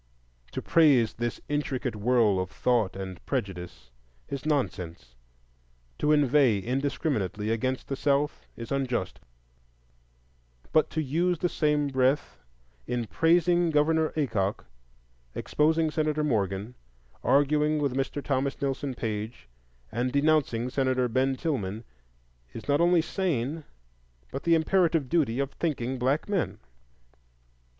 To praise this intricate whirl of thought and prejudice is nonsense; to inveigh indiscriminately against "the South" is unjust; but to use the same breath in praising Governor Aycock, exposing Senator Morgan, arguing with Mr. Thomas Nelson Page, and denouncing Senator Ben Tillman, is not only sane, but the imperative duty of thinking black men.